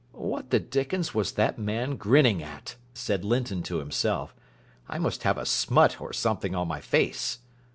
"What the dickens was that man grinning at?" said Linton to himself. "I must have a smut or something on my face."